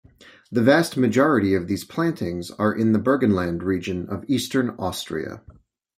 The vast majority of these plantings are in the Burgenland region of eastern Austria.